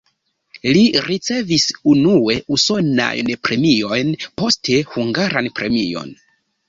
Li ricevis unue usonajn premiojn, poste hungaran premion.